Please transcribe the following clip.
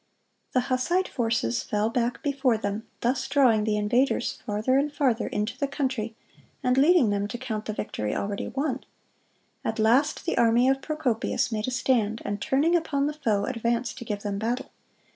The Hussite forces fell back before them, thus drawing the invaders farther and farther into the country, and leading them to count the victory already won. At last the army of Procopius made a stand, and turning upon the foe, advanced to give them battle.